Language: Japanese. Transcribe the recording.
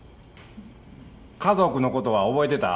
家族のことは覚えてた？